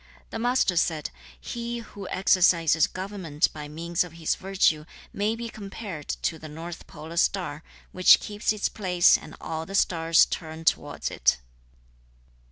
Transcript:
The Master said, 'He who exercises government by means of his virtue may be compared to the north polar star, which keeps its place and all the stars turn towards it.'